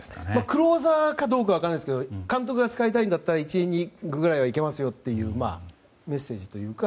クローザーかどうかは分かりませんが監督が使いたいなら１イニングくらいはいけますよというメッセージというか。